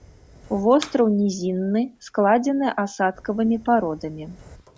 Востраў нізінны, складзены асадкавымі пародамі.